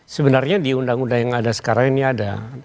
sebenarnya di undang undang yang ada sekarang ini ada